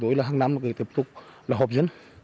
tôi là hàng năm là tiếp tục là hợp dân